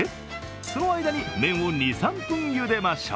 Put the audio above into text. その間に麺を２３分ゆでましょう。